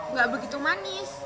nggak begitu manis